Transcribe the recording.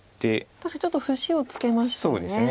確かにちょっと節をつけましたよね。